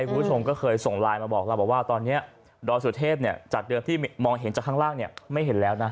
คุณผู้ชมก็เคยส่งไลน์มาบอกเราบอกว่าตอนนี้ดอยสุเทพจากเดิมที่มองเห็นจากข้างล่างไม่เห็นแล้วนะ